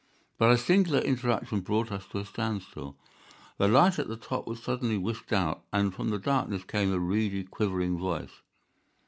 But a singular interruption brought us to a standstill. The light at the top was suddenly whisked out, and from the darkness came a reedy, quivering voice.